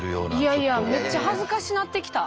いやいやめっちゃ恥ずかしなってきた。